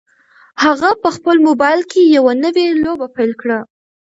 هغه په خپل موبایل کې یوه نوې لوبه پیل کړه.